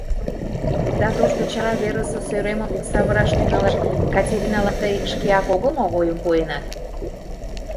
Да Тошто Чара верысе сӧремым савыраш тӱҥалаш Катериналан тый шкеак огыл мо ойым пуэнат...